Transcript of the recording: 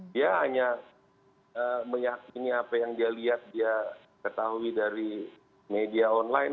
dia hanya meyakini apa yang dia lihat dia ketahui dari media online